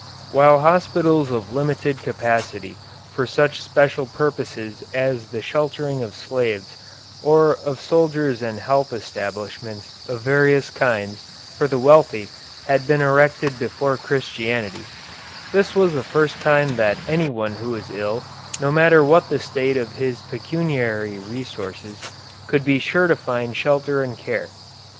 While hospitals of limited capacity for such special purposes as the sheltering of slaves or of soldiers and health establishments of various kinds for the wealthy had been erected before Christianity, this was the first time that anyone who was ill, no matter what the state of his pecuniary resources, could be sure to find shelter and care.